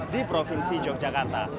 di provinsi yogyakarta